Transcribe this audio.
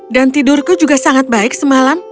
dan tidurku juga sangat baik semalam